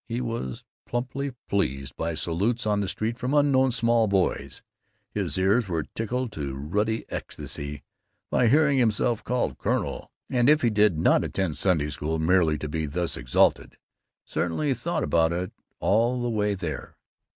He was plumply pleased by salutes on the street from unknown small boys; his ears were tickled to ruddy ecstasy by hearing himself called "Colonel;" and if he did not attend Sunday School merely to be thus exalted, certainly he thought about it all the way there.